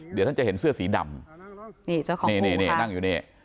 เดี๋ยวท่านจะเห็นเสื้อสีดำนี่เจ้าของนี่นี่นั่งอยู่นี่